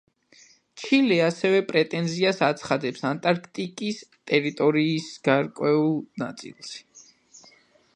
ჩილე ასევე პრეტენზიას აცხადებს ანტარქტიკის ტერიტორიის გარკვეულ ნაწილზე.